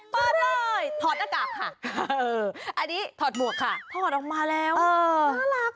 ปลอดเลยทอดอากาศค่ะเอออันนี้ทอดหมวกค่ะทอดออกมาแล้วน่ารักค่ะ